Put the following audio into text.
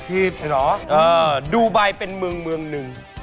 ใช่หรอดูบัยเป็นเมืองหนึ่ง